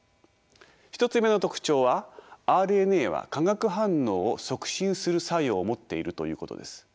１つ目の特徴はＲＮＡは化学反応を促進する作用を持っているということです。